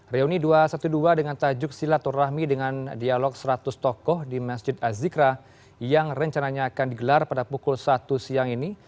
reuni dua ratus dua belas dengan tajuk silaturahmi dengan dialog seratus tokoh di masjid azikra yang rencananya akan digelar pada pukul satu siang ini